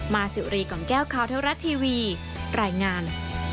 มาสิวรีของแก้วข้าวเท้ารัดทีวีรายงาน